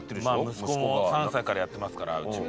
息子も３歳からやってますからうちも。